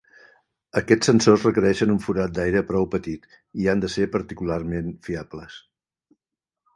Aquests sensors requereixen un forat d'aire prou petit i han de ser particularment fiables.